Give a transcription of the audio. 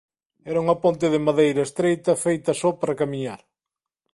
Era unha ponte de madeira estreita feita só para camiñar.